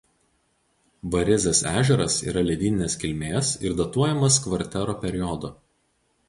Varezės ežeras yra ledyninės kilmės ir datuojamas kvartero periodu.